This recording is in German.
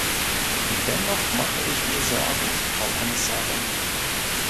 Dennoch mache ich mir Sorgen, Frau Kommissarin.